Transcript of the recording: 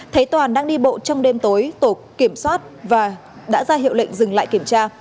thấy toàn đang đi bộ trong đêm tối tổ kiểm soát và đã ra hiệu lệnh dừng lại kiểm tra